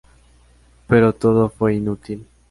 Pero todo fue inútil.